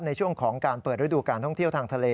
ในช่วงของการเปิดฤดูการท่องเที่ยวทางทะเล